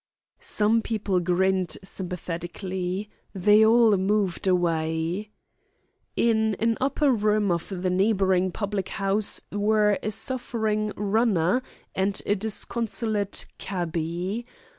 Some people grinned sympathetically. They all moved away. In an upper room of the neighbouring public house were a suffering "runner" and a disconsolate "cabby."